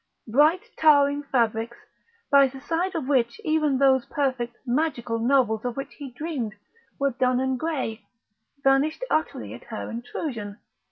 Bright towering fabrics, by the side of which even those perfect, magical novels of which he dreamed were dun and grey, vanished utterly at her intrusion.